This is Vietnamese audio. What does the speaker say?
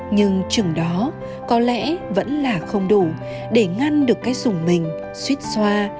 nhưng chừng đó có lẽ vẫn là không đủ để ngăn được cái sùng mình suýt xoa